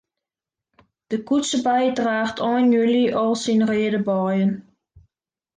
De koetsebei draacht ein july al syn reade beien.